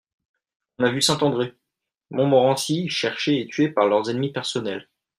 On a vu Saint-André, Montmorency, cherchés et tués par leurs ennemis personnels.